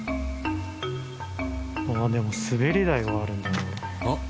ああでも滑り台があるんだな。